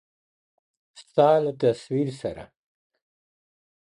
ستا له تصويره سره ـ